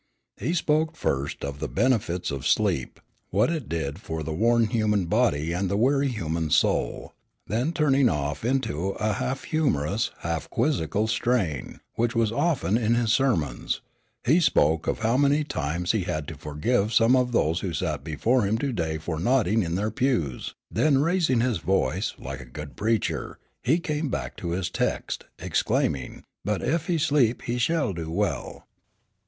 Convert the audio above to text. He spoke first of the benefits of sleep, what it did for the worn human body and the weary human soul, then turning off into a half humorous, half quizzical strain, which was often in his sermons, he spoke of how many times he had to forgive some of those who sat before him to day for nodding in their pews; then raising his voice, like a good preacher, he came back to his text, exclaiming, "But ef he sleep, he shell do well."